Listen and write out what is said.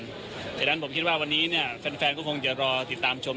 เพราะฉะนั้นผมคิดว่าวันนี้แฟนก็คงจะรอติดตามชม